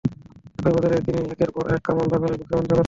একই বছর তিনি একের পর এক কামান দাগলেন বিজ্ঞানের জগতে।